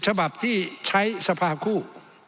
ฉบับที่ใช้สภาคู่